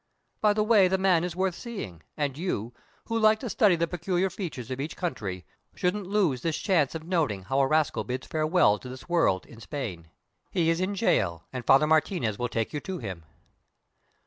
By the way, the man is worth seeing, and you, who like to study the peculiar features of each country, shouldn't lose this chance of noting how a rascal bids farewell to this world in Spain. He is in jail, and Father Martinez will take you to him."